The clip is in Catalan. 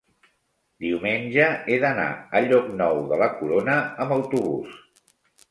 Diumenge he d'anar a Llocnou de la Corona amb autobús.